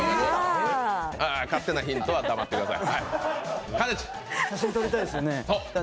勝手なヒントは黙ってください。